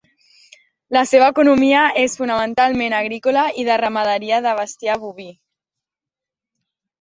La seva economia és fonamentalment agrícola i de ramaderia de bestiar boví.